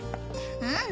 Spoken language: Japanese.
うん！